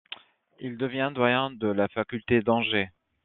Il devient doyen de la faculté d'Angers.